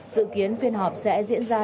dự kiến phiên họp sẽ diễn ra